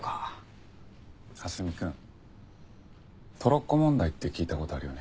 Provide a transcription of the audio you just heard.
蓮見くんトロッコ問題って聞いた事あるよね？